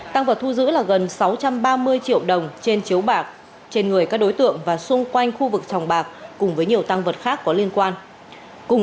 tăng vật thu giữ là gần sáu trăm ba mươi triệu đồng trên chiếu bạc trên người các đối tượng và xung quanh khu vực sòng bạc cùng với nhiều tăng vật khác có liên quan